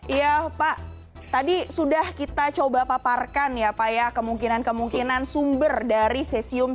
iya pak tadi sudah kita coba paparkan ya pak ya kemungkinan kemungkinan sumber dari sesium satu ratus tiga puluh tujuh